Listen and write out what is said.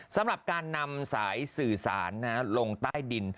สำหรับการนำสายสื่อสารลงใต้ดิน